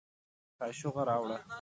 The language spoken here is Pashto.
کاشوغه راوړه